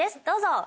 どうぞ！